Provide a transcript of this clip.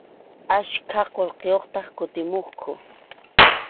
Achka qullqiyuqtaq kutimuqku.